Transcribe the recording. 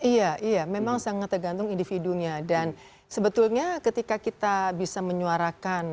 iya iya memang sangat tergantung individunya dan sebetulnya ketika kita bisa menyuarakan